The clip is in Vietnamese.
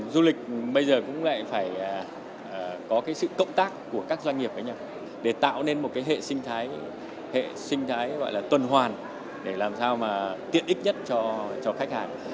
du lịch bây giờ cũng lại phải có sự cộng tác của các doanh nghiệp với nhau để tạo nên một hệ sinh thái tuần hoàn để làm sao tiện ích nhất cho khách hàng